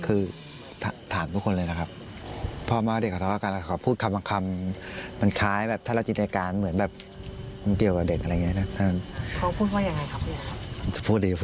เอ่อถ้าไม่อยากพูดยังไงเหมือนผู้ประชส